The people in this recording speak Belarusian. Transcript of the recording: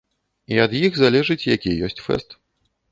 І ад іх залежыць, які ёсць фэст.